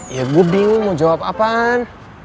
ya gue bingung mau jawab apaan